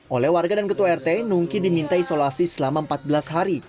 oleh warga dan ketua rt nungki diminta isolasi selama empat belas hari